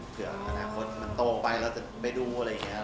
เผื่อในอนาคตมันโตไปแล้วเราจะไปดูอะไรอย่างนี้